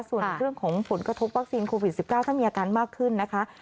ส่วนเรื่องของผลกระทบวัคซีนโควิด๑๙ถ้ามีอาการมากขึ้นนะคะ